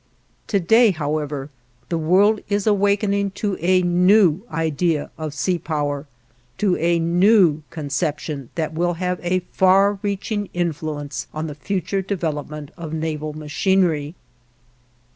To day, however, the world is awakening to a new idea of sea power, to a new conception that will have a far reaching influence on the future development of naval machinery.